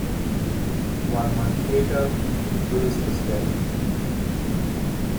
One month later, Goodis was dead.